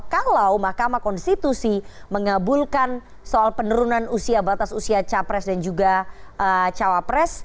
kalau mahkamah konstitusi mengabulkan soal penurunan usia batas usia capres dan juga cawapres